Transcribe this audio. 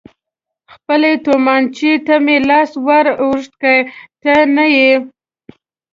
خپلې تومانچې ته مې لاس ور اوږد کړ، ته نه یې.